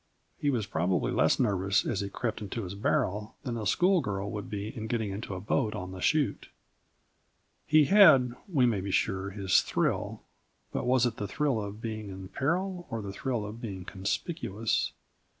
He was probably less nervous as he crept into his barrel than a schoolgirl would be in getting into the boat on the chute. He had we may be sure, his thrill, but was it the thrill of being in peril or the thrill of being conspicuous?